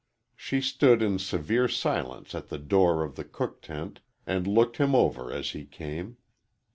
She stood in severe silence at the door of the cook tent and looked him over as he came.